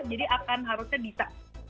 jadi akan harusnya bisa